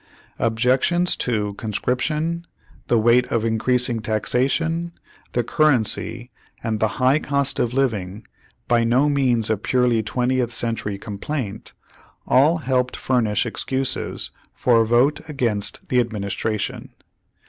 Objections to conscrip tion, the weight of increasing taxation, the cur rency, and the "high cost of living," by no means a purely twentieth century complaint, all helped furnish excuses for a vote against the administra tion.